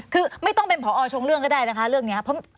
คือไม่ต้องเป็นผอชงเรื่องก็ได้นะคะเรื่องนี้